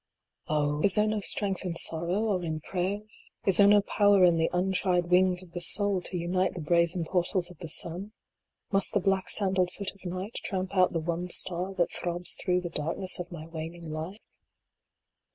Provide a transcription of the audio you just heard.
III. Oh ! is there no strength in sorrow, or in prayers ? Is there no power in the untried wings of the soul, to smite the brazen portals of the sun ? Must the black sandaled foot of Night tramp out the one star that throbs through the darkness of my waning life?